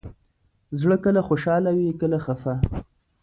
زړه کله خوشحاله وي، کله خفه.